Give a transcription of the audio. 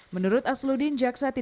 menurut asludin hacani